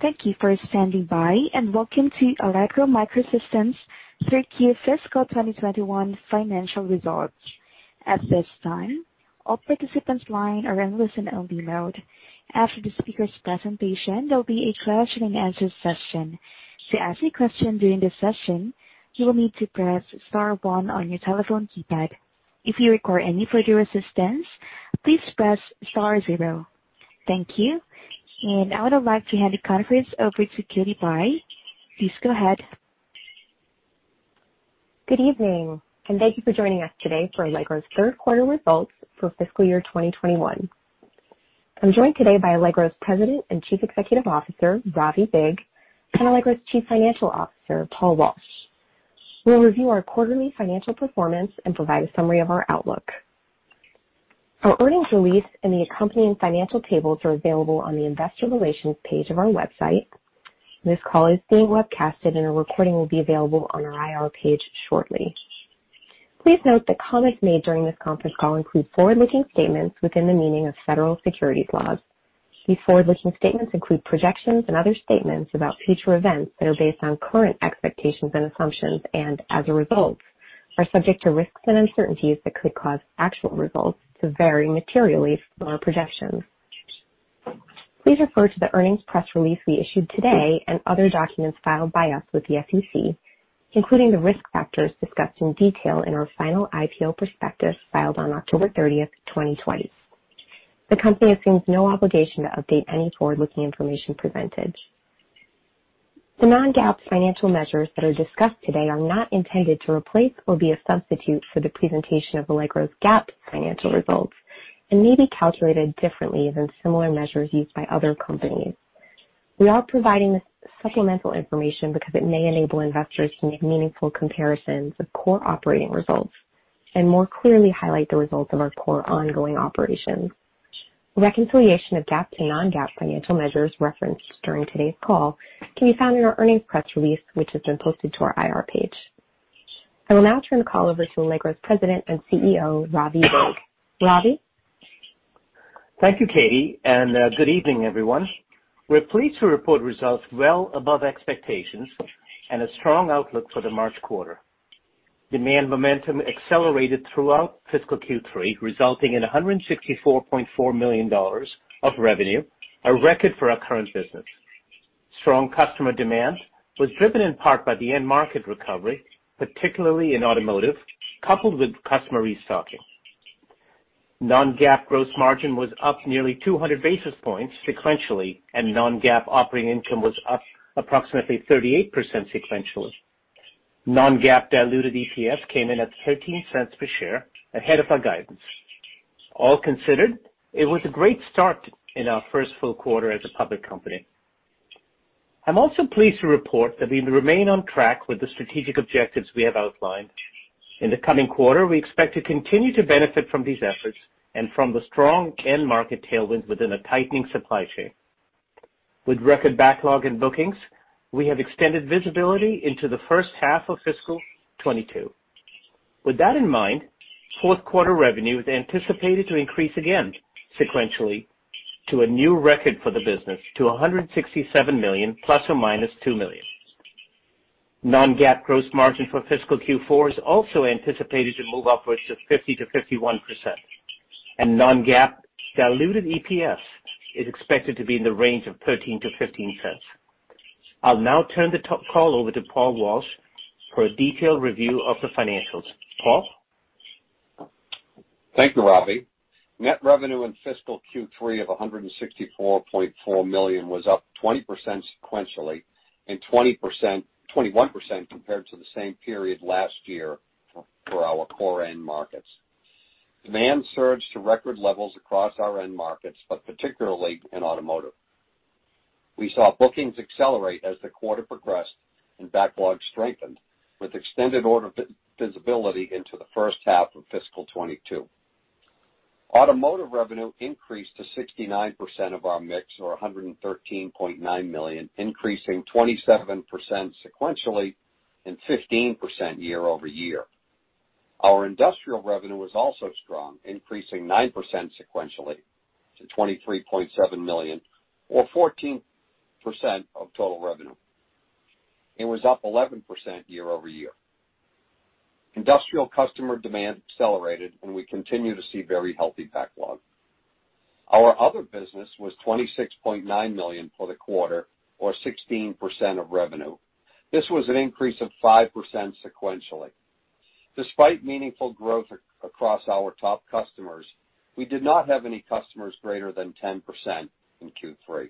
Thank you for standing by, and welcome to Allegro MicroSystems 3Q fiscal 2021 financial results. At this time, all participants lines are in a listen-only mode. After the speaker's presentation, there will be a question-and-answer session. To ask a question during the session, you will need to press star one on your telephone keypad. If you recquire any further assistance, please press star zero. Thank you, and now I'd like to hand the conference over to Katherine Blye. Please go ahead. Good evening. Thank you for joining us today for Allegro's third quarter results for fiscal year 2021. I'm joined today by Allegro's President and Chief Executive Officer, Ravi Vig, and Allegro's Chief Financial Officer, Paul Walsh, who will review our quarterly financial performance and provide a summary of our outlook. Our earnings release and the accompanying financial tables are available on the investor relations page of our website. This call is being webcasted and a recording will be available on our IR page shortly. Please note that comments made during this conference call include forward-looking statements within the meaning of federal securities laws. These forward-looking statements include projections and other statements about future events that are based on current expectations and assumptions, and as a result, are subject to risks and uncertainties that could cause actual results to vary materially from our projections. Please refer to the earnings press release we issued today and other documents filed by us with the SEC, including the risk factors discussed in detail in our final IPO prospectus filed on October 30th, 2020. The company assumes no obligation to update any forward-looking information presented. The non-GAAP financial measures that are discussed today are not intended to replace or be a substitute for the presentation of Allegro's GAAP financial results and may be calculated differently than similar measures used by other companies. We are providing this supplemental information because it may enable investors to make meaningful comparisons of core operating results and more clearly highlight the results of our core ongoing operations. Reconciliation of GAAP to non-GAAP financial measures referenced during today's call can be found in our earnings press release, which has been posted to our IR page. I will now turn the call over to Allegro's President and CEO, Ravi Vig. Ravi? Thank you, Katie, and good evening, everyone. We're pleased to report results well above expectations and a strong outlook for the March quarter. Demand momentum accelerated throughout fiscal Q3, resulting in $164.4 million of revenue, a record for our current business. Strong customer demand was driven in part by the end-market recovery, particularly in Automotive, coupled with customer restocking. Non-GAAP gross margin was up nearly 200 basis points sequentially, and non-GAAP operating income was up approximately 38% sequentially. Non-GAAP diluted EPS came in at $0.13 per share, ahead of our guidance. All considered, it was a great start in our first full quarter as a public company. I'm also pleased to report that we remain on track with the strategic objectives we have outlined. In the coming quarter, we expect to continue to benefit from these efforts and from the strong end-market tailwinds within a tightening supply chain. With record backlog in bookings, we have extended visibility into the first half of fiscal 2022. With that in mind, fourth quarter revenue is anticipated to increase again sequentially to a new record for the business to $167 million ± $2 million. Non-GAAP gross margin for fiscal Q4 is also anticipated to move upwards to 50%-51%, and non-GAAP diluted EPS is expected to be in the range of $0.13-$0.15. I'll now turn the call over to Paul Walsh for a detailed review of the financials. Paul? Thank you, Ravi. Net revenue in fiscal Q3 of $164.4 million was up 20% sequentially and 21% compared to the same period last year for our core end markets. Demand surged to record levels across our end markets, but particularly in Automotive. We saw bookings accelerate as the quarter progressed and backlog strengthened, with extended order visibility into the first half of fiscal 2022. Automotive revenue increased to 69% of our mix, or $113.9 million, increasing 27% sequentially and 15% year-over-year. Our Industrial revenue was also strong, increasing 9% sequentially to $23.7 million or 14% of total revenue, and was up 11% year-over-year. Industrial customer demand accelerated, and we continue to see very healthy backlog. Our other business was $26.9 million for the quarter or 16% of revenue. This was an increase of 5% sequentially. Despite meaningful growth across our top customers, we did not have any customers greater than 10% in Q3.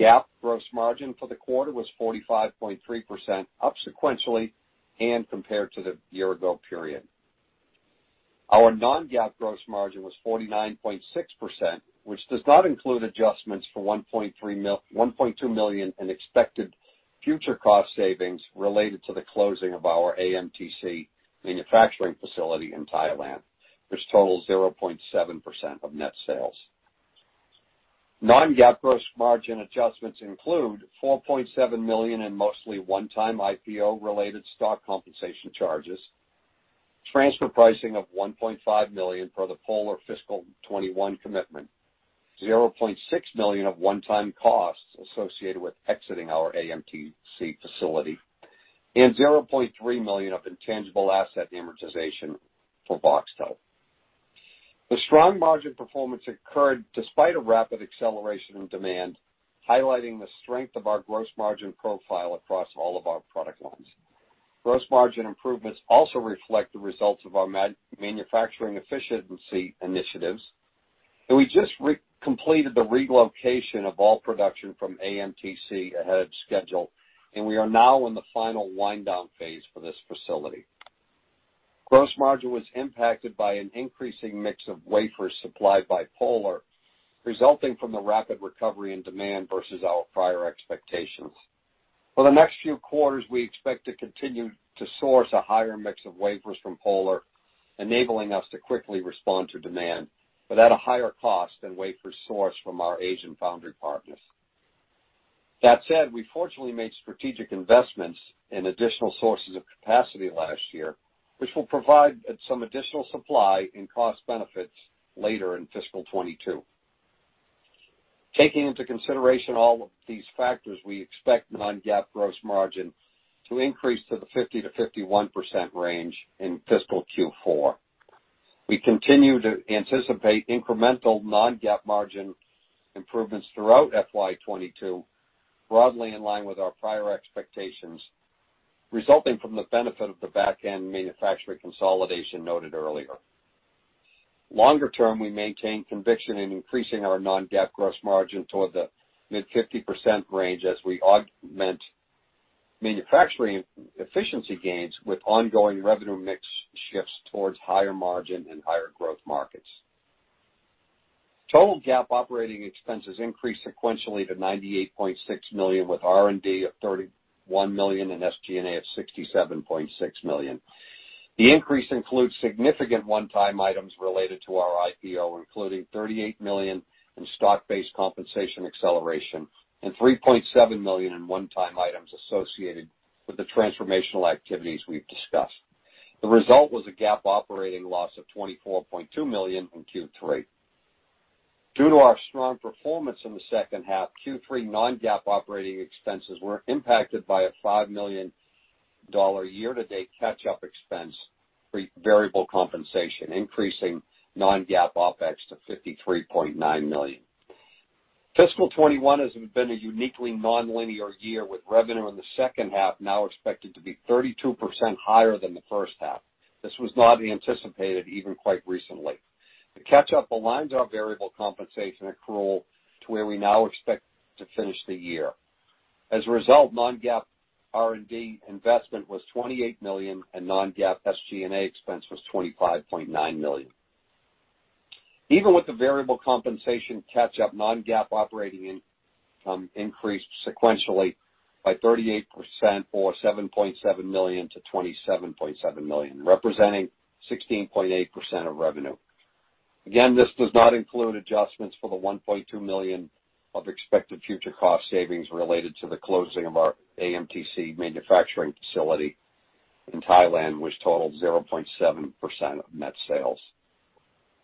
GAAP gross margin for the quarter was 45.3% up sequentially and compared to the year ago period. Our non-GAAP gross margin was 49.6%, which does not include adjustments for $1.2 million in expected future cost savings related to the closing of our AMTC manufacturing facility in Thailand, which totals 0.7% of net sales. Non-GAAP gross margin adjustments include $4.7 million in mostly one-time IPO-related stock compensation charges, transfer pricing of $1.5 million for the Polar fiscal 2021 commitment, $0.6 million of one-time costs associated with exiting our AMTC facility, and $0.3 million of intangible asset amortization for Voxtel. The strong margin performance occurred despite a rapid acceleration in demand, highlighting the strength of our gross margin profile across all of our product lines. Gross margin improvements also reflect the results of our manufacturing efficiency initiatives. We just completed the relocation of all production from AMTC ahead of schedule, and we are now in the final wind-down phase for this facility. Gross margin was impacted by an increasing mix of wafers supplied by Polar, resulting from the rapid recovery in demand versus our prior expectations. For the next few quarters, we expect to continue to source a higher mix of wafers from Polar, enabling us to quickly respond to demand, but at a higher cost than wafer source from our Asian foundry partners. That said, we fortunately made strategic investments in additional sources of capacity last year, which will provide some additional supply and cost benefits later in fiscal 2022. Taking into consideration all of these factors, we expect non-GAAP gross margin to increase to the 50%-51% range in fiscal Q4. We continue to anticipate incremental non-GAAP margin improvements throughout FY 2022, broadly in line with our prior expectations, resulting from the benefit of the back-end manufacturing consolidation noted earlier. Longer term, we maintain conviction in increasing our non-GAAP gross margin toward the mid 50% range as we augment manufacturing efficiency gains with ongoing revenue mix shifts towards higher margin and higher growth markets. Total GAAP operating expenses increased sequentially to $98.6 million, with R&D of $31 million and SG&A of $67.6 million. The increase includes significant one-time items related to our IPO, including $38 million in stock-based compensation acceleration and $3.7 million in one-time items associated with the transformational activities we've discussed. The result was a GAAP operating loss of $24.2 million in Q3. Due to our strong performance in the second half, Q3 non-GAAP operating expenses were impacted by a $5 million year-to-date catch-up expense for variable compensation, increasing non-GAAP OpEx to $53.9 million. Fiscal 2021 has been a uniquely nonlinear year, with revenue in the second half now expected to be 32% higher than the first half. This was not anticipated even quite recently. The catch-up aligns our variable compensation accrual to where we now expect to finish the year. As a result, non-GAAP R&D investment was $28 million, and non-GAAP SG&A expense was $25.9 million. Even with the variable compensation catch-up, non-GAAP operating income increased sequentially by 38%, or $7.7 million to $27.7 million, representing 16.8% of revenue. Again, this does not include adjustments for the $1.2 million of expected future cost savings related to the closing of our AMTC manufacturing facility in Thailand, which totaled 0.7% of net sales.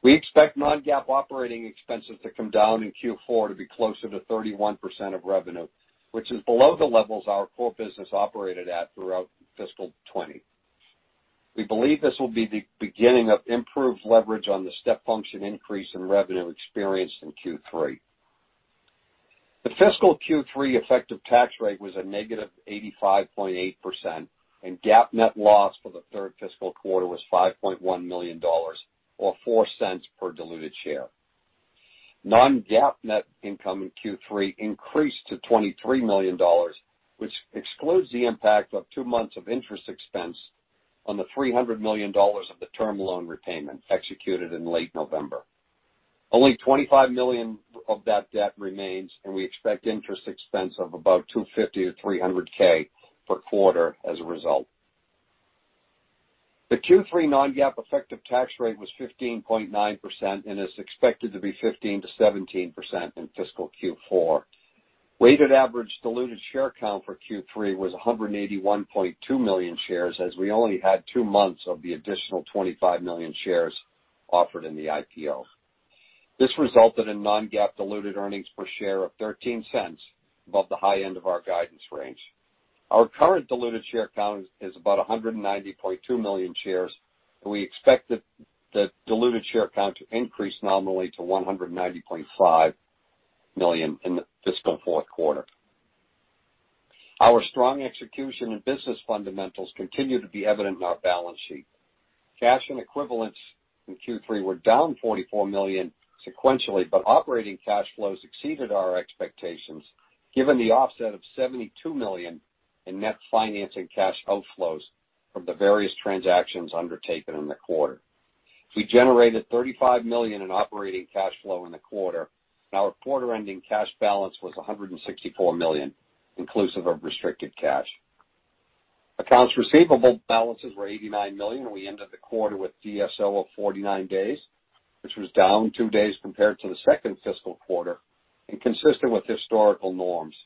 We expect non-GAAP operating expenses to come down in Q4 to be closer to 31% of revenue, which is below the levels our core business operated at throughout fiscal 2020. We believe this will be the beginning of improved leverage on the step function increase in revenue experienced in Q3. The fiscal Q3 effective tax rate was a -85.8%, and GAAP net loss for the third fiscal quarter was $5.1 million, or $0.04 per diluted share. Non-GAAP net income in Q3 increased to $23 million, which excludes the impact of two months of interest expense on the $300 million of the term loan repayment executed in late November. Only $25 million of that debt remains, and we expect interest expense of about $250,000-$300,000 per quarter as a result. The Q3 non-GAAP effective tax rate was 15.9% and is expected to be 15%-17% in fiscal Q4. Weighted average diluted share count for Q3 was 181.2 million shares, as we only had two months of the additional 25 million shares offered in the IPO. This resulted in non-GAAP diluted earnings per share of $0.13 above the high end of our guidance range. Our current diluted share count is about 190.2 million shares, and we expect the diluted share count to increase nominally to 190.5 million in the fiscal fourth quarter. Our strong execution and business fundamentals continue to be evident in our balance sheet. Cash and equivalents in Q3 were down $44 million sequentially, but operating cash flows exceeded our expectations given the offset of $72 million in net financing cash outflows from the various transactions undertaken in the quarter. We generated $35 million in operating cash flow in the quarter, and our quarter-ending cash balance was $164 million, inclusive of restricted cash. Accounts receivable balances were $89 million, and we ended the quarter with DSO of 49 days, which was down two days compared to the second fiscal quarter and consistent with historical norms.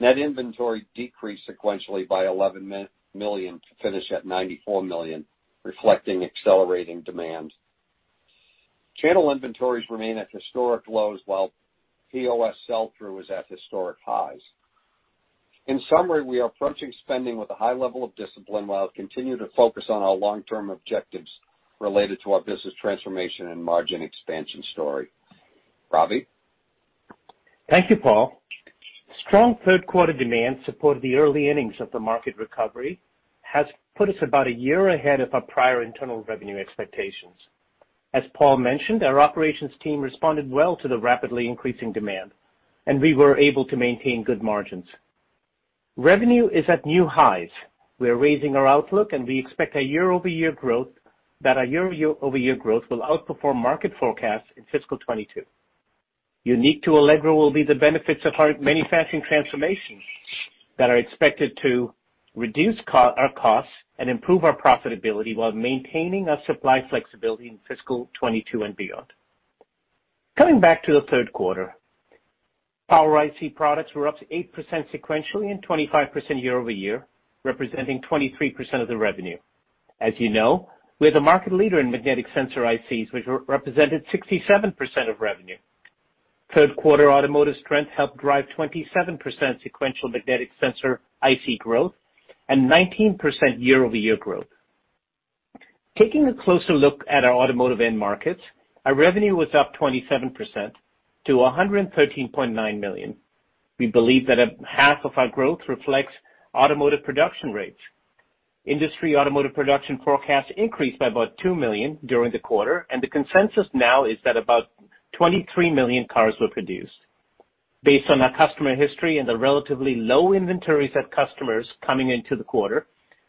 Net inventory decreased sequentially by $11 million to finish at $94 million, reflecting accelerating demand. Channel inventories remain at historic lows while POS sell-through is at historic highs. In summary, we are approaching spending with a high level of discipline while continue to focus on our long-term objectives related to our business transformation and margin expansion story. Ravi? Thank you, Paul. Strong third quarter demand supported the early innings of the market recovery has put us about a year ahead of our prior internal revenue expectations. As Paul mentioned, our operations team responded well to the rapidly increasing demand, and we were able to maintain good margins. Revenue is at new highs. We are raising our outlook, and we expect that our year-over-year growth will outperform market forecasts in fiscal 2022. Unique to Allegro will be the benefits of our manufacturing transformation that are expected to reduce our costs and improve our profitability while maintaining our supply flexibility in fiscal 2022 and beyond. Coming back to the third quarter, Power IC products were up 8% sequentially and 25% year-over-year, representing 23% of the revenue. As you know, we're the market leader in magnetic sensor ICs, which represented 67% of revenue. Third quarter Automotive strength helped drive 27% sequential magnetic sensor IC growth and 19% year-over-year growth. Taking a closer look at our Automotive end markets, our revenue was up 27% to $113.9 million. We believe that half of our growth reflects Automotive production rates. Industry Automotive production forecasts increased by about 2 million during the quarter, and the consensus now is that about 23 million cars were produced. Based on our customer history and the relatively low inventories of customers coming into the quarter,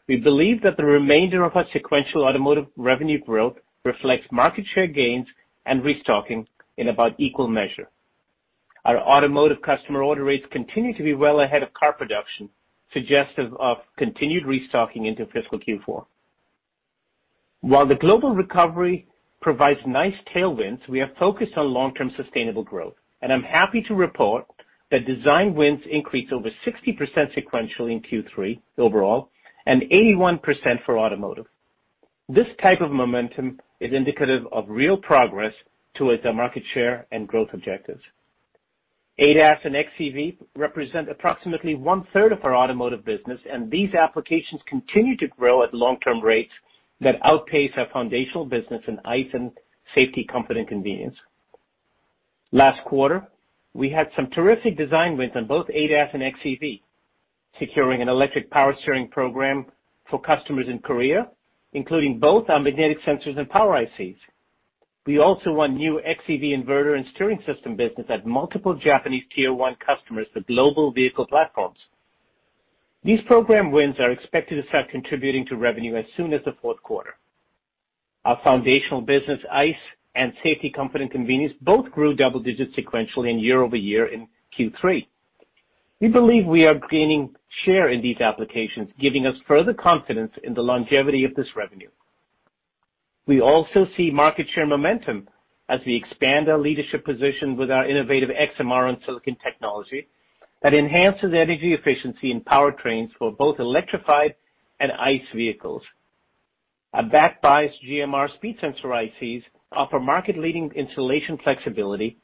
we believe that the remainder of our sequential Automotive revenue growth reflects market share gains and restocking in about equal measure. Our Automotive customer order rates continue to be well ahead of car production, suggestive of continued restocking into fiscal Q4. While the global recovery provides nice tailwinds, we are focused on long-term sustainable growth, and I'm happy to report that design wins increased over 60% sequentially in Q3 overall and 81% for Automotive. This type of momentum is indicative of real progress towards our market share and growth objectives. ADAS and xEV represent approximately 1/3 of our Automotive business, and these applications continue to grow at long-term rates that outpace our foundational business in ICE and safety, comfort, and convenience. Last quarter, we had some terrific design wins on both ADAS and xEV, securing an electric power steering program for customers in Korea, including both our Magnetic Sensors and Power ICs. We also won new xEV inverter and steering system business at multiple Japanese Tier 1 customers for global vehicle platforms. These program wins are expected to start contributing to revenue as soon as the fourth quarter. Our foundational business, ICE and safety, comfort, and convenience, both grew double digits sequentially and year-over-year in Q3. We believe we are gaining share in these applications, giving us further confidence in the longevity of this revenue. We also see market share momentum as we expand our leadership position with our innovative XMR on silicon technology that enhances energy efficiency in powertrains for both electrified and ICE vehicles. Our back-biased GMR speed sensor ICs offer market leading installation flexibility,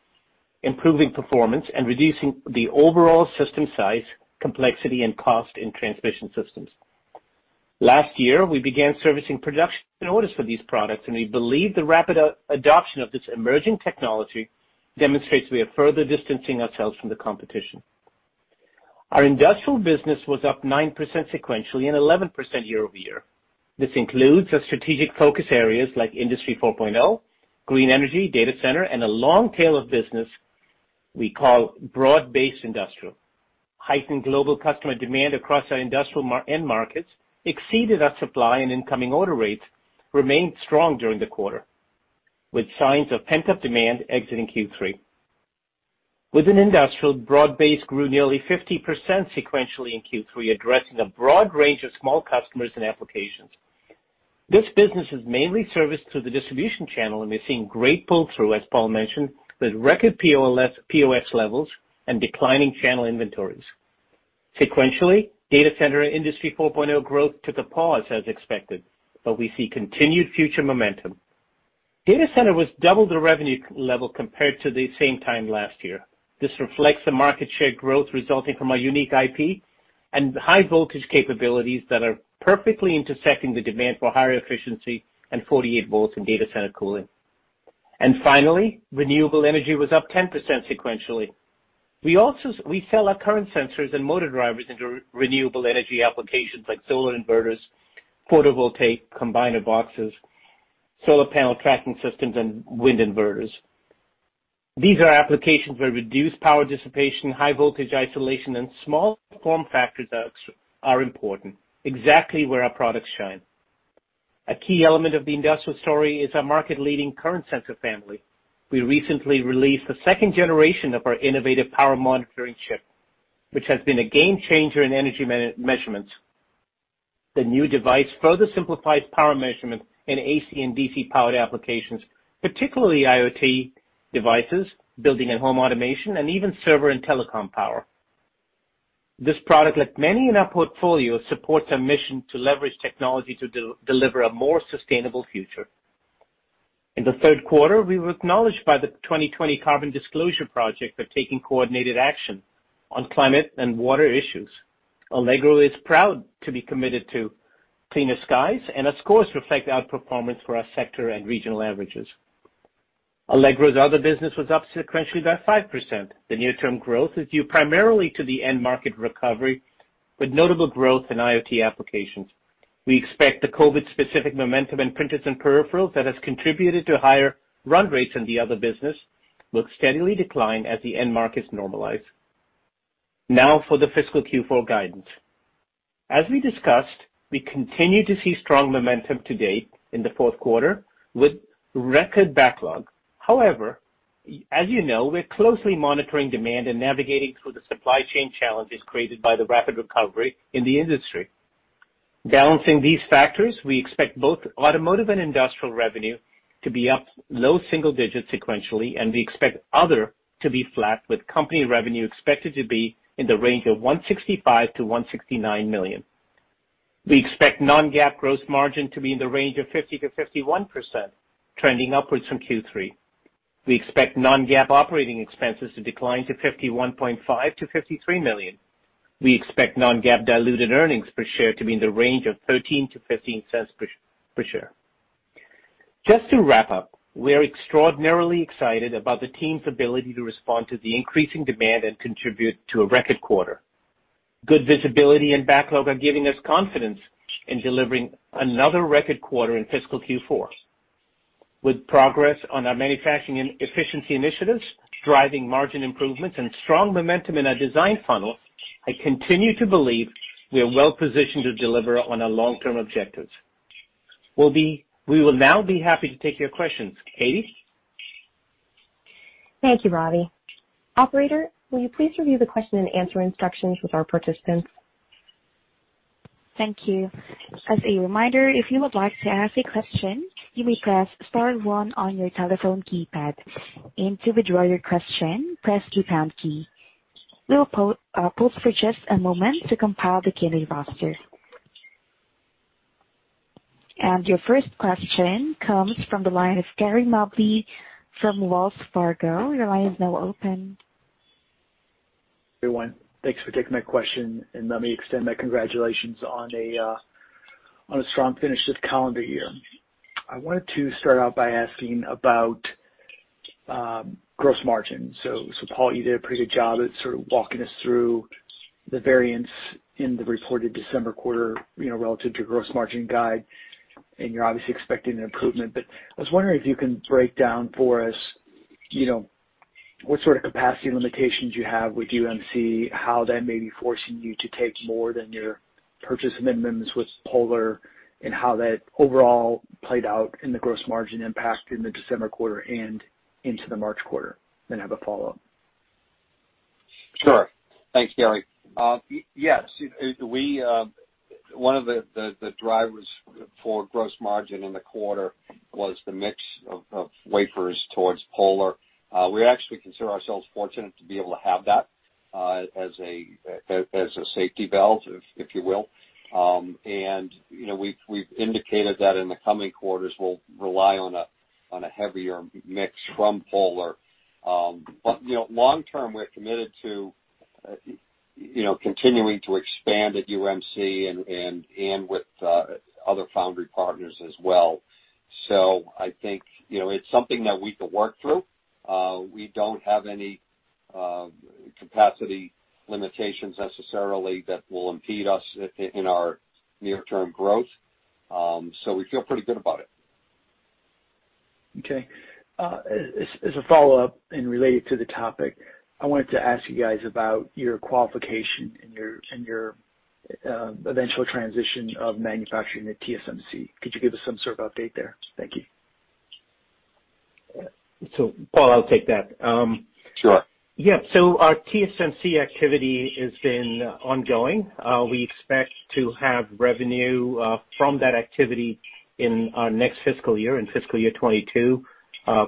improving performance, and reducing the overall system size, complexity, and cost in transmission systems. Last year, we began servicing production orders for these products, and we believe the rapid adoption of this emerging technology demonstrates we are further distancing ourselves from the competition. Our Industrial business was up 9% sequentially and 11% year-over-year. This includes our strategic focus areas like Industry 4.0, green energy, data center, and a long tail of business we call broad-based Industrial. Heightened global customer demand across our Industrial end markets exceeded our supply and incoming order rates remained strong during the quarter, with signs of pent-up demand exiting Q3. Within Industrial, broad-based grew nearly 50% sequentially in Q3, addressing a broad range of small customers and applications. This business is mainly serviced through the distribution channel, and we're seeing great pull-through, as Paul mentioned, with record POS levels and declining channel inventories. Sequentially, data center Industry 4.0 growth took a pause as expected, but we see continued future momentum. Data center was double the revenue level compared to the same time last year. This reflects the market share growth resulting from our unique IP and high voltage capabilities that are perfectly intersecting the demand for higher efficiency and 48 volts in data center cooling. Finally, renewable energy was up 10% sequentially. We sell our current sensors and motor drivers into renewable energy applications like solar inverters, photovoltaic combiner boxes, solar panel tracking systems, and wind inverters. These are applications where reduced power dissipation, high voltage isolation, and small form factors are important, exactly where our products shine. A key element of the Industrial story is our market leading current sensor family. We recently released the second generation of our innovative power monitoring chip, which has been a game changer in energy measurements. The new device further simplifies power measurement in AC and DC powered applications, particularly IoT devices, building and home automation, and even server and telecom power. This product, like many in our portfolio, supports our mission to leverage technology to deliver a more sustainable future. In the third quarter, we were acknowledged by the 2020 Carbon Disclosure Project for taking coordinated action on climate and water issues. Allegro is proud to be committed to cleaner skies and our scores reflect our performance for our sector and regional averages. Allegro's other business was up sequentially by 5%. The near-term growth is due primarily to the end market recovery, with notable growth in IoT applications. We expect the COVID-specific momentum in printers and peripherals that has contributed to higher run rates in the other business will steadily decline as the end markets normalize. Now for the fiscal Q4 guidance. As we discussed, we continue to see strong momentum to date in the fourth quarter with record backlog. However, as you know, we're closely monitoring demand and navigating through the supply chain challenges created by the rapid recovery in the industry. Balancing these factors, we expect both Automotive and Industrial revenue to be up low single digits sequentially, and we expect other to be flat, with company revenue expected to be in the range of $165 million-$169 million. We expect non-GAAP gross margin to be in the range of 50%-51%, trending upwards from Q3. We expect non-GAAP operating expenses to decline to $51.5 million-$53 million. We expect non-GAAP diluted earnings per share to be in the range of $0.13-$0.15 per share. Just to wrap up, we are extraordinarily excited about the team's ability to respond to the increasing demand and contribute to a record quarter. Good visibility and backlog are giving us confidence in delivering another record quarter in fiscal Q4. With progress on our manufacturing and efficiency initiatives, driving margin improvements and strong momentum in our design funnel, I continue to believe we are well-positioned to deliver on our long-term objectives. We will now be happy to take your questions. Katie? Thank you, Ravi. Operator, will you please review the question and answer instructions with our participants? Thank you. As a reminder, if you would like to ask a question, you may press star one on your telephone keypad. To withdraw your question, press the pound key. We'll pause for just a moment to compile the Q&A roster. Your first question comes from the line of Gary Mobley from Wells Fargo. Your line is now open. Everyone, thanks for taking my question, and let me extend my congratulations on a strong finish to the calendar year. I wanted to start out by asking about gross margin. Paul, you did a pretty good job at sort of walking us through the variance in the reported December quarter relative to gross margin guide, and you're obviously expecting an improvement. I was wondering if you can break down for us what sort of capacity limitations you have with UMC, how that may be forcing you to take more than your purchase minimums with Polar, and how that overall played out in the gross margin impact in the December quarter and into the March quarter? Have a follow-up. Sure. Thanks, Gary. One of the drivers for gross margin in the quarter was the mix of wafers towards Polar. We actually consider ourselves fortunate to be able to have that as a safety belt, if you will. We've indicated that in the coming quarters, we'll rely on a heavier mix from Polar. Long term, we're committed to continuing to expand at UMC and with other foundry partners as well. I think it's something that we can work through. We don't have any capacity limitations necessarily that will impede us in our near-term growth. We feel pretty good about it. Okay. As a follow-up and related to the topic, I wanted to ask you guys about your qualification and your eventual transition of manufacturing at TSMC. Could you give us some sort of update there? Thank you. Paul, I'll take that. Sure. Yeah. Our TSMC activity has been ongoing. We expect to have revenue from that activity in our next fiscal year, in fiscal year 2022,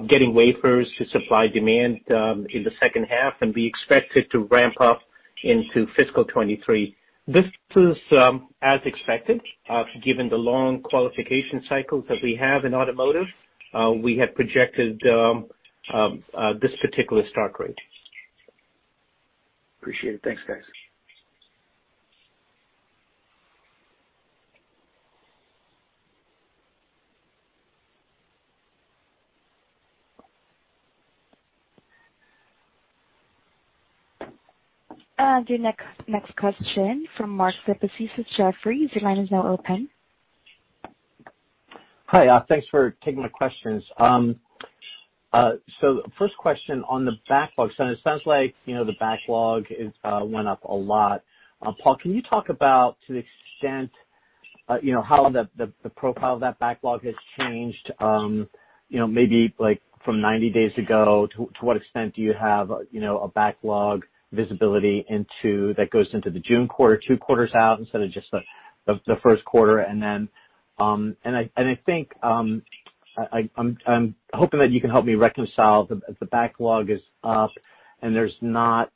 getting wafers to supply demand in the second half, and we expect it to ramp up into fiscal 2023. This is as expected, given the long qualification cycles that we have in Automotive. We had projected this particular start rate. Appreciate it. Thanks, guys. Your next question is from Mark Lipacis, Jefferies. Your line is now open. Hi. Thanks for taking my questions. First question on the backlog. It sounds like the backlog went up a lot. Paul, can you talk about to the extent how the profile of that backlog has changed maybe from 90 days ago? To what extent do you have a backlog visibility that goes into the June quarter, two quarters out instead of just the first quarter? I'm hoping that you can help me reconcile the backlog is up, and it's not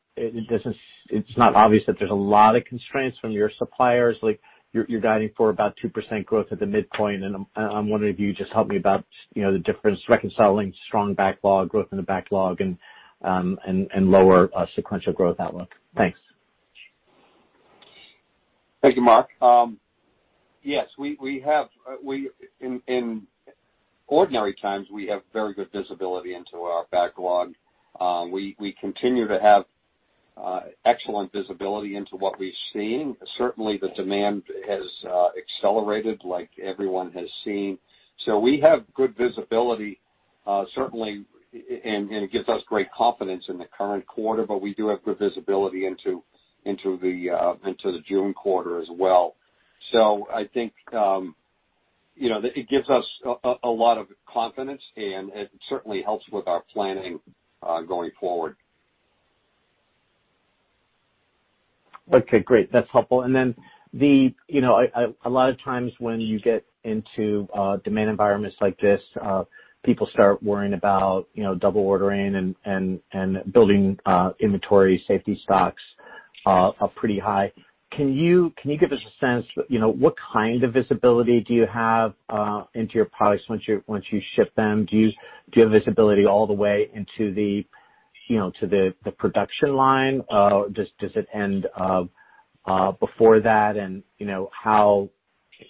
obvious that there's a lot of constraints from your suppliers. You're guiding for about 2% growth at the midpoint, and I'm wondering if you just help me about the difference, reconciling strong backlog growth in the backlog and lower sequential growth outlook. Thanks. Thank you, Mark. Yes, in ordinary times, we have very good visibility into our backlog. We continue to have excellent visibility into what we've seen. Certainly, the demand has accelerated like everyone has seen. We have good visibility, certainly, and it gives us great confidence in the current quarter, but we do have good visibility into the June quarter as well. I think, it gives us a lot of confidence, and it certainly helps with our planning going forward. Okay, great. That's helpful. A lot of times when you get into demand environments like this, people start worrying about double ordering and building inventory safety stocks are pretty high. Can you give us a sense, what kind of visibility do you have into your products once you ship them? Do you have visibility all the way into the production line? Does it end up before that, and you've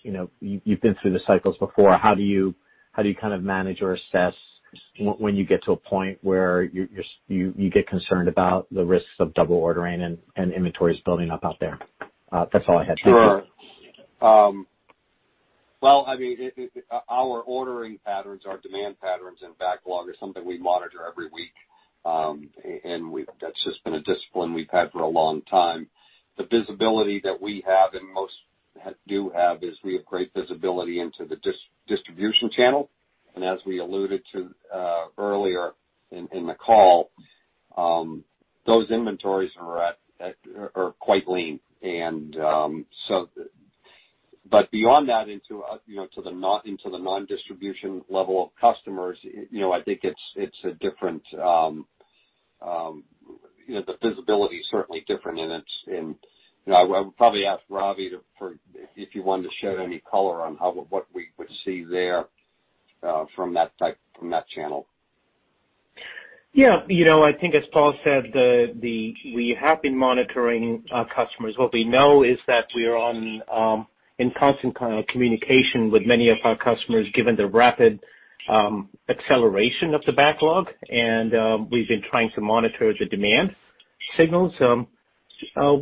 been through the cycles before, how do you kind of manage or assess when you get to a point where you get concerned about the risks of double ordering and inventories building up out there? That's all I had. Thanks. Sure. Well, our ordering patterns, our demand patterns, and backlog are something we monitor every week. That's just been a discipline we've had for a long time. The visibility that we have and most do have is we have great visibility into the distribution channel. As we alluded to earlier in the call, those inventories are quite lean. Beyond that into the non-distribution level of customers, the visibility is certainly different. I would probably ask Ravi if you wanted to shed any color on what we would see there from that channel. Yeah. I think as Paul said, we have been monitoring our customers. What we know is that we are in constant communication with many of our customers, given the rapid acceleration of the backlog, and we've been trying to monitor the demand signals.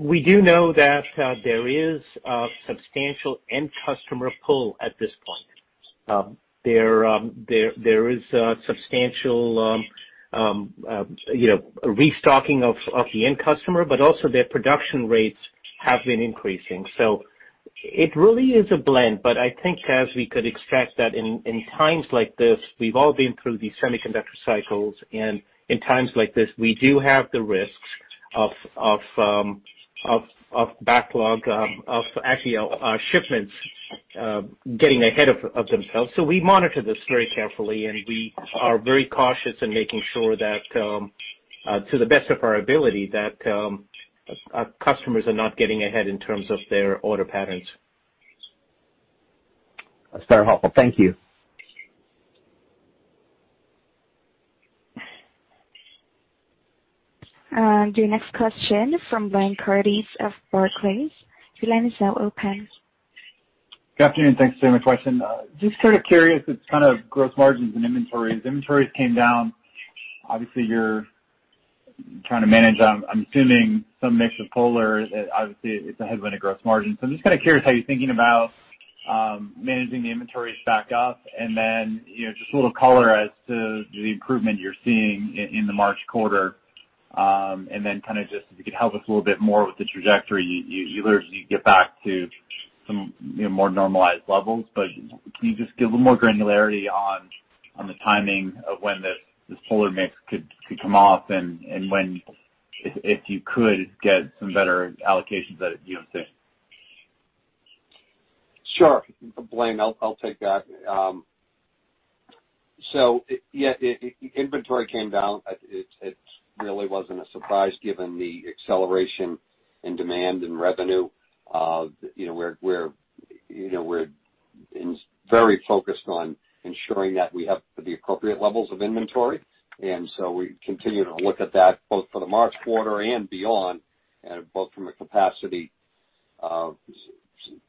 We do know that there is a substantial end customer pull at this point. There is a substantial restocking of the end customer, but also their production rates have been increasing. It really is a blend. I think as we could extract that in times like this, we've all been through these semiconductor cycles, and in times like this, we do have the risks of backlog, of actually our shipments getting ahead of themselves. We monitor this very carefully, and we are very cautious in making sure that, to the best of our ability, that our customers are not getting ahead in terms of their order patterns. That's very helpful. Thank you. Your next question is from Blayne Curtis of Barclays. Your line is now open. Good afternoon. Thanks very much. Just sort of curious, it's kind of gross margins and inventories. Inventories came down. Obviously, you're trying to manage, I'm assuming some mix with Polar. Obviously, it's a headwind of gross margin. I'm just kind of curious how you're thinking about managing the inventories back up, and then just a little color as to the improvement you're seeing in the March quarter and then kind of just if you could help us a little bit more with the trajectory, you literally get back to some more normalized levels but can you just give a little more granularity on the timing of when this Polar mix could come off and when, if you could get some better allocations that you don't think? Sure. Blayne, I'll take that. Yeah, inventory came down. It really wasn't a surprise given the acceleration in demand and revenue. We're very focused on ensuring that we have the appropriate levels of inventory, and so we continue to look at that both for the March quarter and beyond, and both from a capacity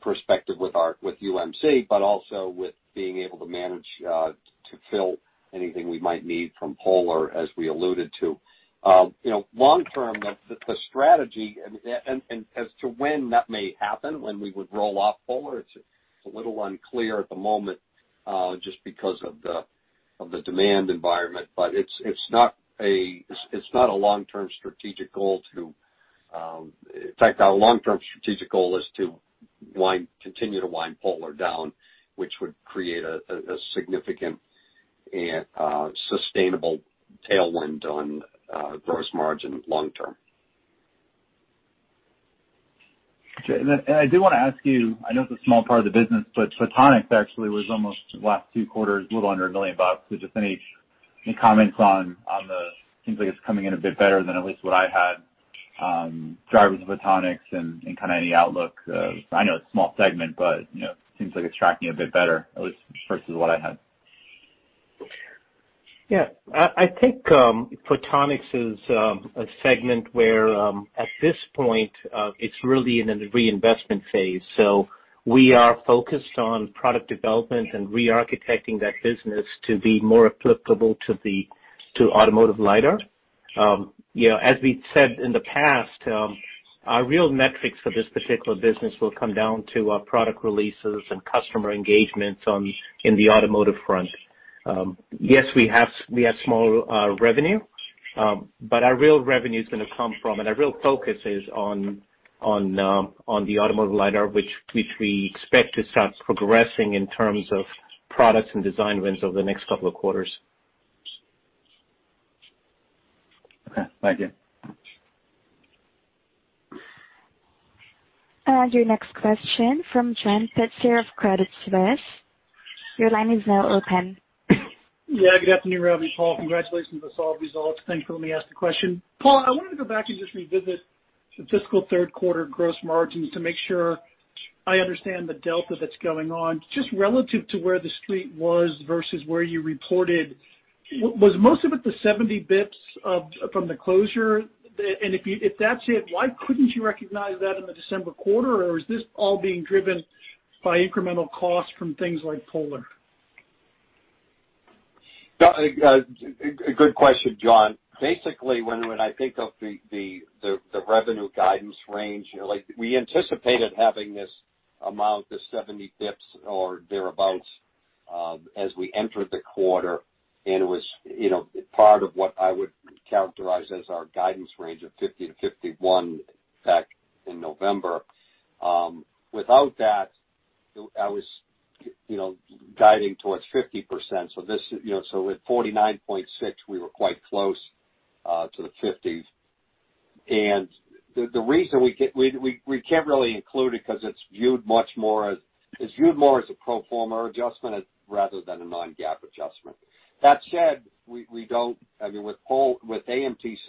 perspective with UMC, but also with being able to manage to fill anything we might need from Polar, as we alluded to. Long-term, the strategy, and as to when that may happen, when we would roll off Polar, it's a little unclear at the moment, just because of the demand environment. It's not a long-term strategic goal. In fact, our long-term strategic goal is to continue to wind Polar down, which would create a significant and sustainable tailwind on gross margin long term. Okay. I do want to ask you, I know it's a small part of the business, but photonics actually was almost the last two quarters, a little under $1 million. Just any comments on seems like it's coming in a bit better than at least what I had, drivers of photonics and kind of any outlook of, I know it's a small segment, but it seems like it's tracking a bit better, at least versus what I had. I think photonics is a segment where at this point, it's really in a reinvestment phase. We are focused on product development and re-architecting that business to be more applicable to Automotive LiDAR. As we said in the past, our real metrics for this particular business will come down to product releases and customer engagements in the Automotive front. We have small revenue, but our real revenue is going to come from and our real focus is on the Automotive LiDAR, which we expect to start progressing in terms of products and design wins over the next couple of quarters. Okay. Thank you. Your next question from John Pitzer of Credit Suisse. Your line is now open. Yeah, good afternoon, Ravi and Paul. Congratulations on the solid results. Thanks for letting me ask the question. Paul, I wanted to go back and just revisit the fiscal third quarter gross margins to make sure I understand the delta that's going on. Just relative to where the Street was versus where you reported, was most of it the 70 basis points from the closure? If that's it, why couldn't you recognize that in the December quarter? Is this all being driven by incremental costs from things like Polar? A good question, John. Basically, when I think of the revenue guidance range, we anticipated having this amount, the 70 basis points or thereabouts, as we entered the quarter, and it was part of what I would characterize as our guidance range of 50%-51% back in November. Without that, I was guiding towards 50%. At 49.6%, we were quite close to the 50%. The reason we can't really include it, because it's viewed more as a pro forma adjustment rather than a non-GAAP adjustment. That said, with AMTC,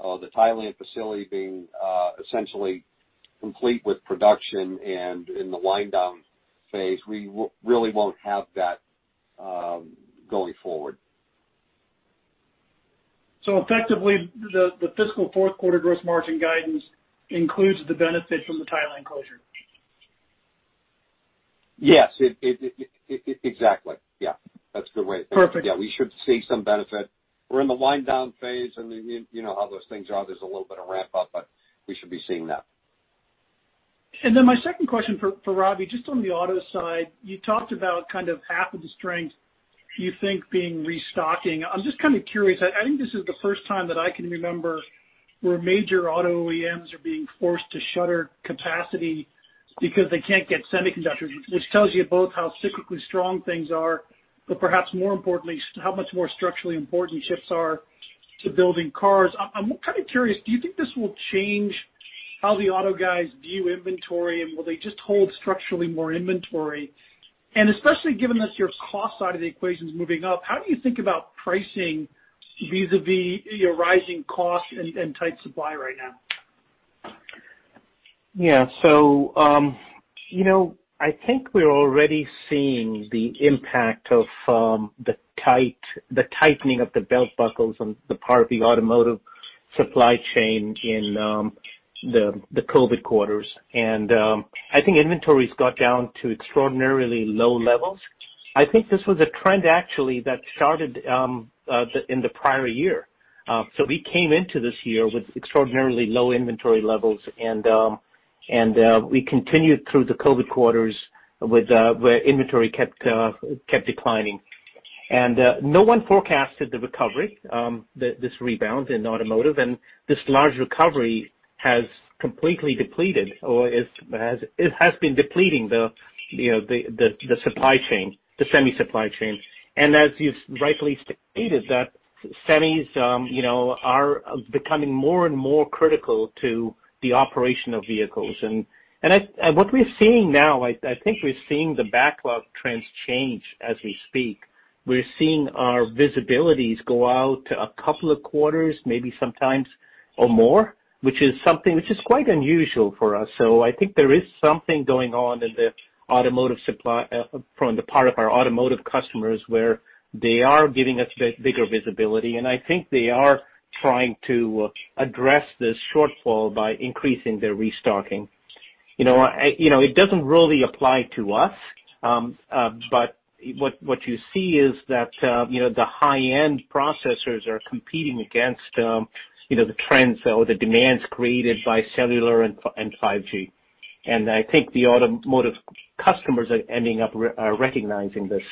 the Thailand facility being essentially complete with production and in the wind down phase, we really won't have that going forward. Effectively, the fiscal fourth quarter gross margin guidance includes the benefit from the Thailand closure? Yes. Exactly. Yeah. That's the way. Perfect. Yeah. We should see some benefit. We're in the wind down phase, and you know how those things are. There's a little bit of ramp up, but we should be seeing that. My second question for Ravi, just on the auto side, you talked about kind of half of the strength you think being restocking. I'm just kind of curious. I think this is the first time that I can remember where major auto OEMs are being forced to shutter capacity because they can't get semiconductors, which tells you both how cyclically strong things are, but perhaps more importantly, how much more structurally important chips are to building cars. I'm kind of curious, do you think this will change how the auto guys view inventory, and will they just hold structurally more inventory? Especially given that your cost side of the equation is moving up, how do you think about pricing vis-a-vis your rising costs and tight supply right now? Yeah. I think we're already seeing the impact of the tightening of the belt buckles on the part of the Automotive supply chain in the COVID quarters. I think inventories got down to extraordinarily low levels. I think this was a trend actually that started in the prior year. We came into this year with extraordinarily low inventory levels, and we continued through the COVID quarters where inventory kept declining. No one forecasted the recovery, this rebound in Automotive, and this large recovery has completely depleted or it has been depleting the semi supply chain. As you've rightly stated, that semis are becoming more and more critical to the operation of vehicles. What we're seeing now, I think we're seeing the backlog trends change as we speak. We're seeing our visibilities go out a couple of quarters, maybe sometimes or more, which is something which is quite unusual for us. I think there is something going on in the Automotive supply from the part of our Automotive customers where they are giving us bigger visibility, and I think they are trying to address this shortfall by increasing their restocking. It doesn't really apply to us, but what you see is that the high-end processors are competing against the trends or the demands created by cellular and 5G. I think the Automotive customers are ending up recognizing this.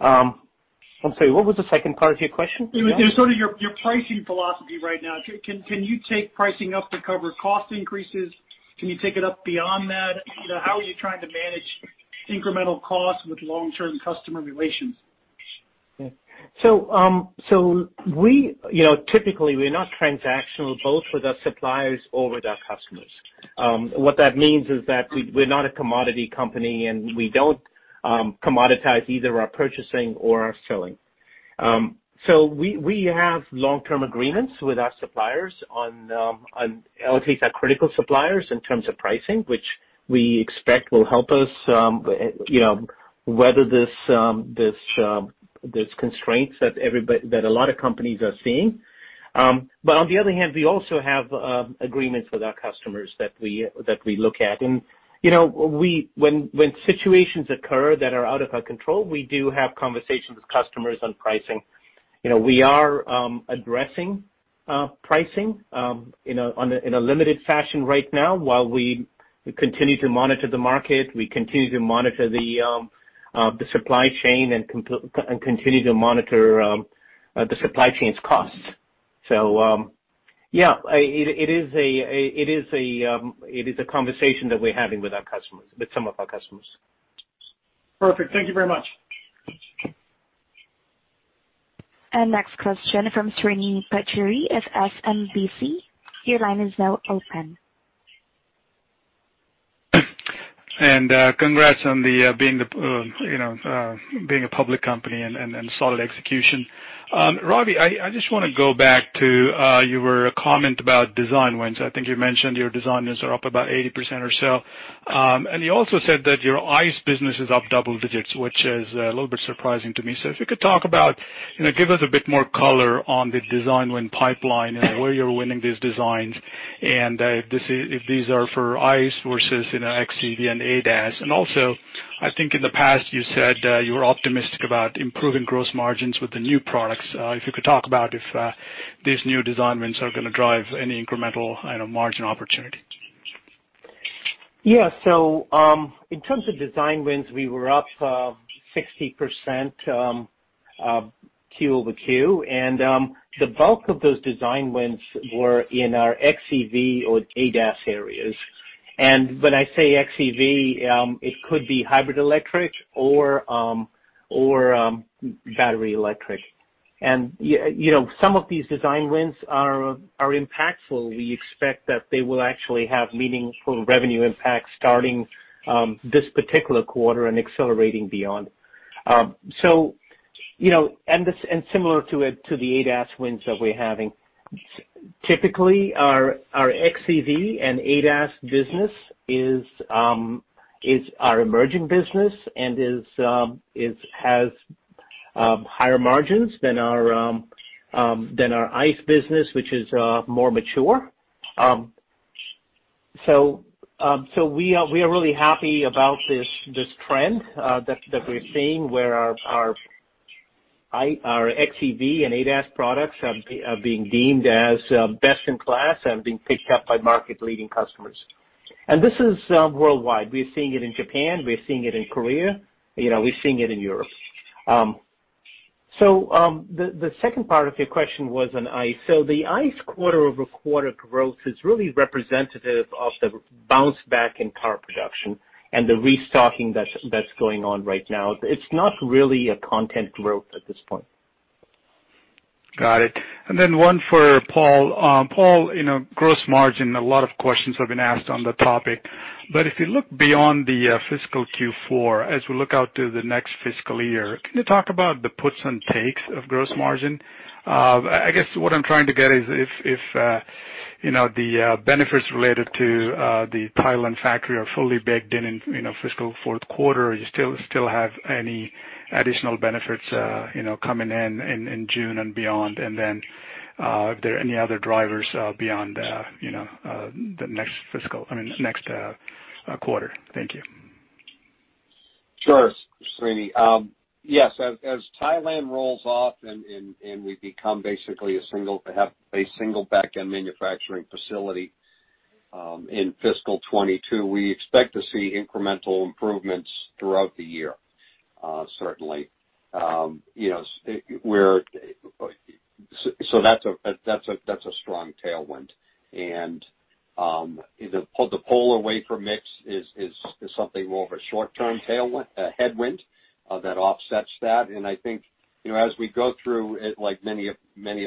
I'm sorry, what was the second part of your question? Sort of your pricing philosophy right now. Can you take pricing up to cover cost increases? Can you take it up beyond that? How are you trying to manage incremental costs with long-term customer relations? Typically, we're not transactional, both with our suppliers or with our customers. What that means is that we're not a commodity company, and we don't commoditize either our purchasing or our selling. We have long-term agreements with our suppliers on, at least our critical suppliers, in terms of pricing, which we expect will help us weather these constraints that a lot of companies are seeing. On the other hand, we also have agreements with our customers that we look at. When situations occur that are out of our control, we do have conversations with customers on pricing. We are addressing pricing in a limited fashion right now while we continue to monitor the market, we continue to monitor the supply chain and continue to monitor the supply chain's costs. Yeah, it is a conversation that we're having with our customers, with some of our customers. Perfect. Thank you very much. Next question from Srini Pajjuri of SMBC. Your line is now open. Congrats on being a public company and solid execution. Ravi Vig, I just want to go back to your comment about design wins. I think you mentioned your design wins are up about 80% or so. You also said that your ICE business is up double digits, which is a little bit surprising to me. If you could talk about, give us a bit more color on the design win pipeline and where you're winning these designs, and if these are for ICE versus xEV and ADAS. Also, I think in the past you said you were optimistic about improving gross margins with the new products. If you could talk about if these new design wins are going to drive any incremental margin opportunity. Yeah. In terms of design wins, we were up 60% Q-over-Q. The bulk of those design wins were in our xEV or ADAS areas. When I say xEV, it could be hybrid electric or battery electric. Some of these design wins are impactful. We expect that they will actually have meaningful revenue impact starting this particular quarter and accelerating beyond. Similar to the ADAS wins that we're having, typically our xEV and ADAS business is our emerging business and has higher margins than our ICE business, which is more mature. We are really happy about this trend that we're seeing, where our xEV and ADAS products are being deemed as best in class and being picked up by market-leading customers. This is worldwide. We're seeing it in Japan, we're seeing it in Korea, we're seeing it in Europe. The second part of your question was on ICE. The ICE quarter-over-quarter growth is really representative of the bounce back in car production and the restocking that's going on right now. It's not really a content growth at this point. Got it. And then one for Paul. Paul, gross margin, a lot of questions have been asked on the topic. If you look beyond the fiscal Q4 as we look out to the next fiscal year, can you talk about the puts and takes of gross margin? I guess what I'm trying to get is if the benefits related to the Thailand factory are fully baked in in fiscal fourth quarter, you still have any additional benefits coming in in June and beyond. If there are any other drivers beyond the next quarter. Thank you. Sure, Srini. As Thailand rolls off and we become basically have a single back-end manufacturing facility in fiscal 2022, we expect to see incremental improvements throughout the year, certainly so that's a strong tailwind. The pull away from mix is something more of a short-term headwind that offsets that. I think as we go through, like many of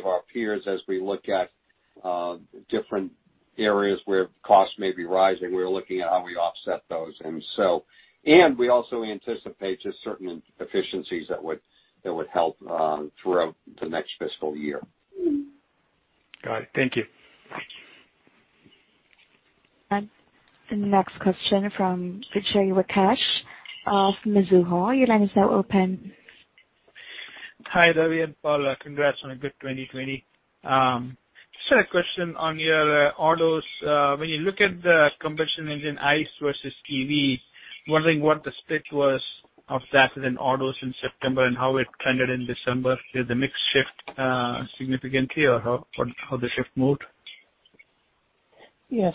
our peers, as we look at different areas where costs may be rising, we're looking at how we offset those. We also anticipate just certain efficiencies that would help throughout the next fiscal year. Got it. Thank you. The next question from Vijay Rakesh of Mizuho. Your line is now open. Hi, Ravi and Paul. Congrats on a good 2020. Just had a question on your autos. When you look at the combustion engine ICE versus EV, wondering what the split was of that in autos in September and how it trended in December? Did the mix shift significantly, or how the shift moved? Yeah.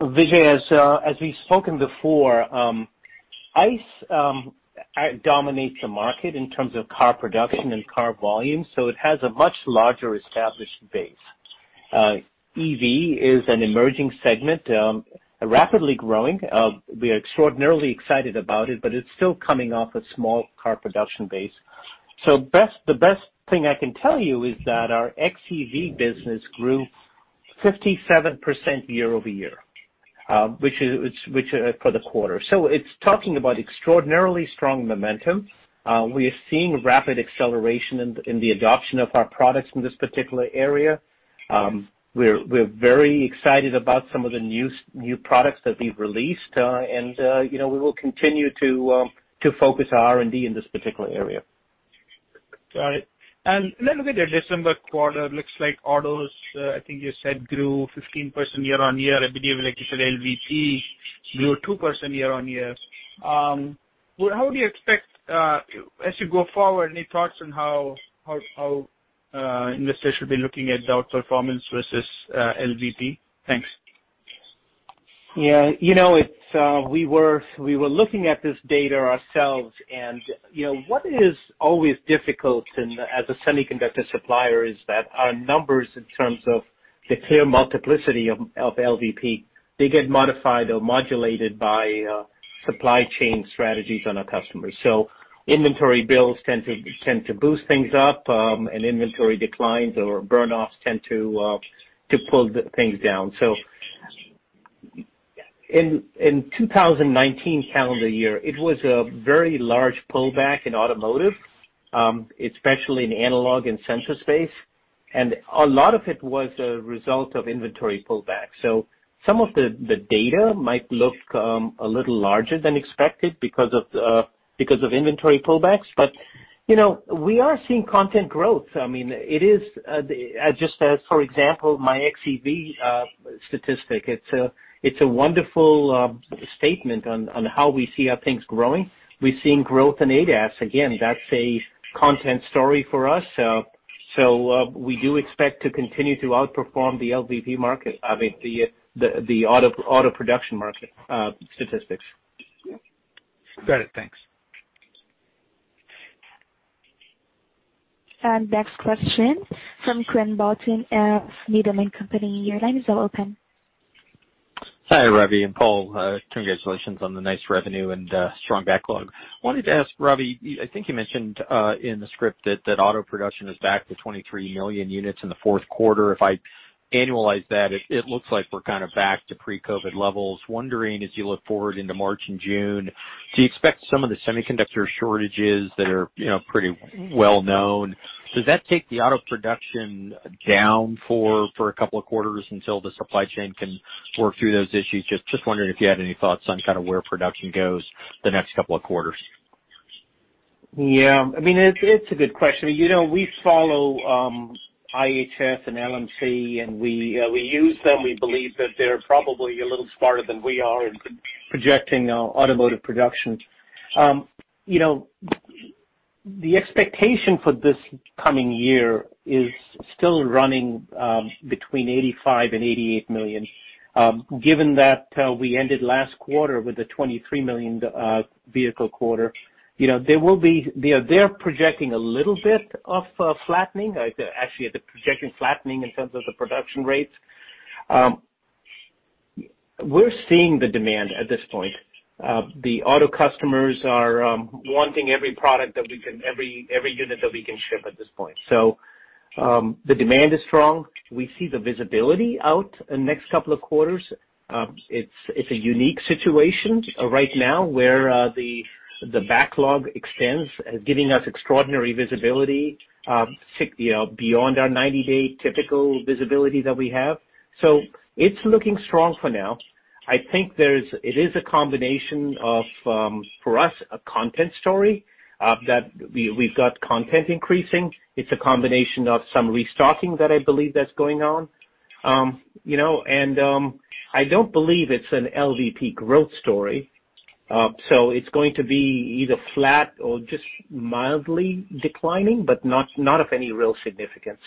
Vijay, as we've spoken before, ICE dominates the market in terms of car production and car volume, so it has a much larger established base. xEV is an emerging segment, rapidly growing. We are extraordinarily excited about it, but it's still coming off a small car production base. The best thing I can tell you is that our xEV business grew 57% year-over-year which is for the quarter. It's talking about extraordinarily strong momentum. We are seeing rapid acceleration in the adoption of our products in this particular area. We're very excited about some of the new products that we've released and we will continue to focus our R&D in this particular area. Got it. Looking at the December quarter, it looks like autos, I think you said, grew 15% year-over-year. I believe you said LVP grew 2% year-over-year. How do you expect as you go forward, any thoughts on how investors should be looking at the outperformance versus LVP? Thanks. Yeah. We were looking at this data ourselves. What is always difficult as a semiconductor supplier is that our numbers, in terms of the clear multiplicity of LVP, they get modified or modulated by supply chain strategies on our customers. Inventory builds tend to boost things up, and inventory declines or burnoffs tend to pull things down. In 2019 calendar year, it was a very large pullback in Automotive, especially in analog and sensor space. A lot of it was a result of inventory pullback. Some of the data might look a little larger than expected because of inventory pullbacks but we are seeing content growth. I mean, for example, my xEV statistic, it's a wonderful statement on how we see our things growing. We're seeing growth in ADAS. Again, that's a content story for us. We do expect to continue to outperform the LVP market. I mean, the auto production market statistics. Got it. Thanks. Next question from Quinn Bolton of Needham & Company. Your line is now open. Hi, Ravi and Paul. Congratulations on the nice revenue and strong backlog. Wanted to ask, Ravi, I think you mentioned in the script that auto production is back to 23 million units in the fourth quarter. If I annualize that, it looks like we're kind of back to pre-COVID levels. Wondering, as you look forward into March and June, do you expect some of the semiconductor shortages that are pretty well-known, does that take the auto production down for a couple of quarters until the supply chain can work through those issues? Just wondering if you had any thoughts on kind of where production goes the next couple of quarters. I mean, it's a good question. We follow IHS and LMC, and we use them. We believe that they're probably a little smarter than we are in projecting Automotive production. The expectation for this coming year is still running between 85 million and 88 million. Given that we ended last quarter with a 23 million vehicle quarter, they're projecting a little bit of flattening. Actually, they're projecting flattening in terms of the production rates. We're seeing the demand at this point. The auto customers are wanting every unit that we can ship at this point. The demand is strong. We see the visibility out next couple of quarters. It's a unique situation right now, where the backlog extends, giving us extraordinary visibility beyond our 90-day typical visibility that we have. It's looking strong for now. I think it is a combination of, for us, a content story, that we've got content increasing. It's a combination of some restocking that I believe that's going on. I don't believe it's an LVP growth story. It's going to be either flat or just mildly declining, but not of any real significance.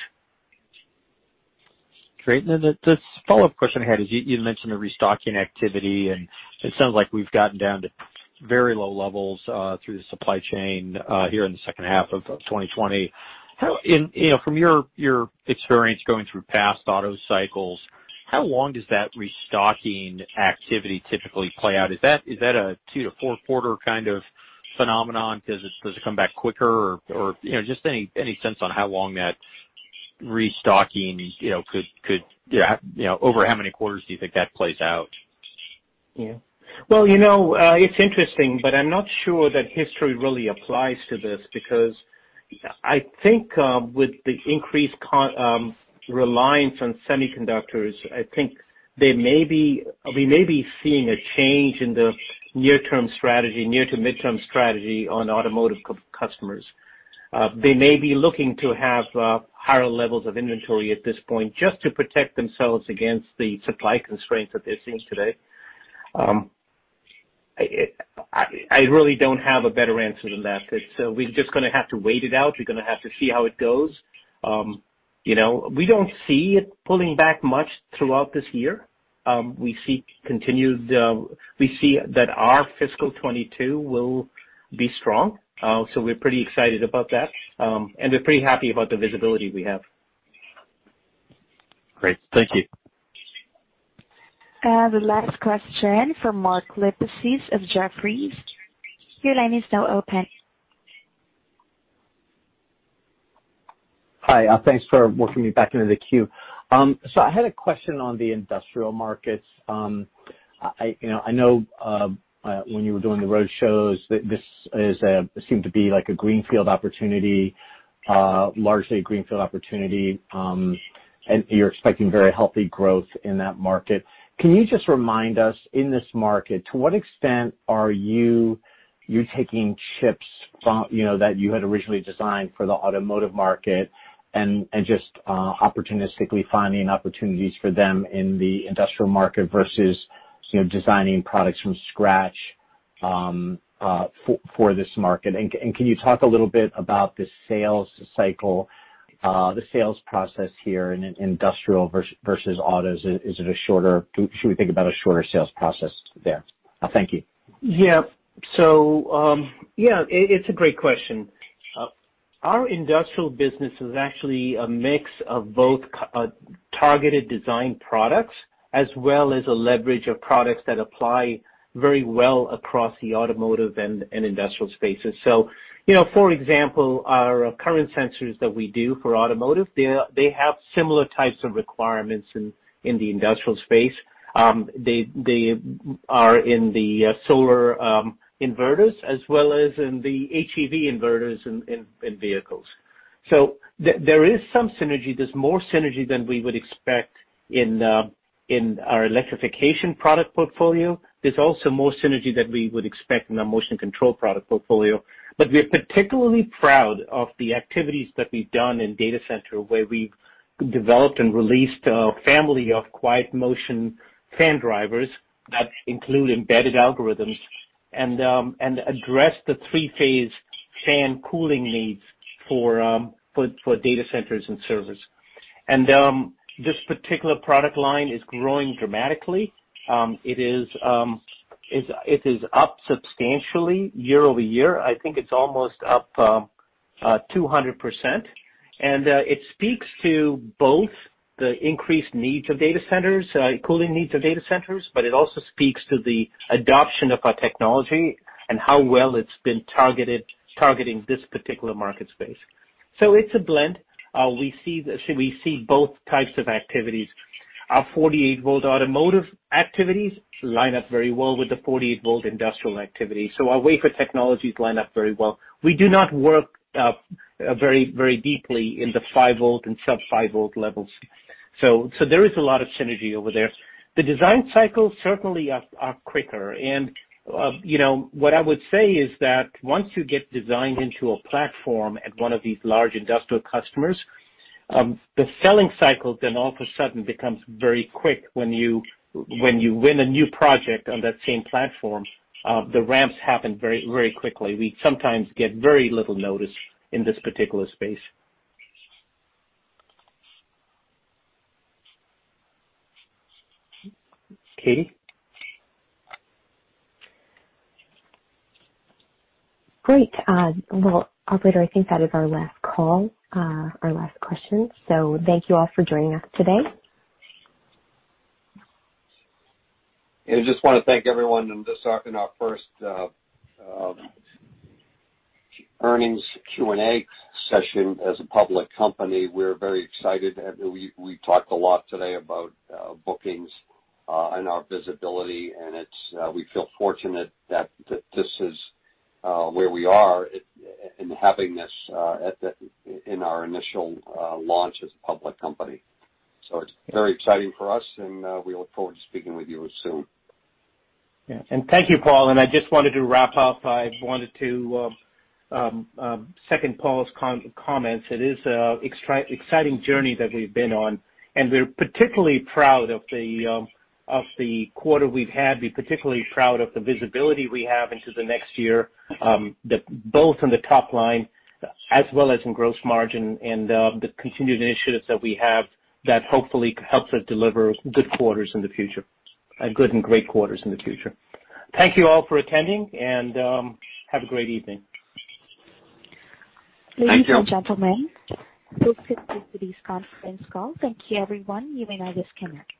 Great. Now, the follow-up question I had is, you mentioned the restocking activity, and it sounds like we've gotten down to very low levels through the supply chain here in the second half of 2020. From your experience going through past auto cycles, how long does that restocking activity typically play out? Is that a two to four quarter kind of phenomenon? Does it come back quicker, or just any sense on how long that restocking over how many quarters do you think that plays out? Yeah. Well, it's interesting, but I'm not sure that history really applies to this, because I think with the increased reliance on semiconductors, I think we may be seeing a change in the near-term strategy, near to midterm strategy on Automotive customers. They may be looking to have higher levels of inventory at this point just to protect themselves against the supply constraints that they're seeing today. I really don't have a better answer than that. We're just going to have to wait it out. We're going to have to see how it goes. We don't see it pulling back much throughout this year. We see that our fiscal 2022 will be strong, so we're pretty excited about that and we're pretty happy about the visibility we have. Great. Thank you. The last question is from Mark Lipacis of Jefferies. Your line is now open. Hi. Thanks for working me back into the queue. I had a question on the Industrial markets. I know when you were doing the road shows, this seemed to be like a largely greenfield opportunity, and you're expecting very healthy growth in that market. Can you just remind us, in this market, to what extent are you taking chips that you had originally designed for the Automotive market and just opportunistically finding opportunities for them in the Industrial market versus designing products from scratch for this market? Can you talk a little bit about the sales cycle, the sales process here in Industrial versus Autos? Should we think about a shorter sales process there? Thank you. It's a great question. Our Industrial business is actually a mix of both targeted design products as well as a leverage of products that apply very well across the Automotive and Industrial spaces. For example, our current sensors that we do for Automotive, they have similar types of requirements in the Industrial space. They are in the solar inverters as well as in the HEV inverters in vehicles. There is some synergy. There's more synergy than we would expect in our electrification product portfolio. There's also more synergy than we would expect in our motion control product portfolio. We're particularly proud of the activities that we've done in data center, where we've developed and released a family of QuietMotion fan drivers that include embedded algorithms and address the three-phase fan cooling needs for data centers and servers. This particular product line is growing dramatically. It is up substantially year-over-year. I think it's almost up 200%. It speaks to both the increased cooling needs of data centers, but it also speaks to the adoption of our technology and how well it's been targeting this particular market space. It's a blend. We see both types of activities. Our 48-volt Automotive activities line up very well with the 48-volt Industrial activity. Our wafer technologies line up very well. We do not work very deeply in the five-volt and sub-five volt levels. There is a lot of synergy over there. The design cycles certainly are quicker. What I would say is that once you get designed into a platform at one of these large Industrial customers, the selling cycle then all of a sudden becomes very quick. When you win a new project on that same platform, the ramps happen very quickly. We sometimes get very little notice in this particular space. Katie? Great. Well, operator, I think that is our last call, our last question. Thank you all for joining us today. I just want to thank everyone on this, our first earnings Q&A session as a public company. We're very excited. We talked a lot today about bookings and our visibility, and we feel fortunate that this is where we are in having this in our initial launch as a public company. It's very exciting for us, and we look forward to speaking with you soon. Yeah. Thank you, Paul. I just wanted to wrap up. I wanted to second Paul's comments. It is an exciting journey that we've been on, and we're particularly proud of the quarter we've had. We're particularly proud of the visibility we have into the next year, both in the top line as well as in gross margin and the continued initiatives that we have that hopefully helps us deliver good quarters in the future, good and great quarters in the future. Thank you all for attending, and have a great evening. Thank you. Ladies and gentlemen, this concludes today's conference call. Thank you, everyone. You may now disconnect.